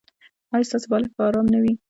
ایا ستاسو بالښت به ارام نه وي؟